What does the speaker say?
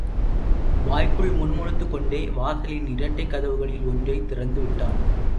வாய்க்குள் முணுமுணுத்துக் கொண்டே வாசலின் இரட்டைக் கதவுகளில் ஒன்றைத் திறந்து விட்டான்.